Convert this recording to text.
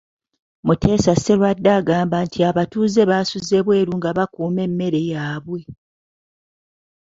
Muteesa Sserwadda agamba nti abatuuze basuze bweru nga bakuuma emmere yaabwe